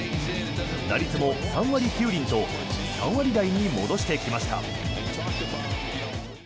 打率も３割９厘と３割台に戻してきました。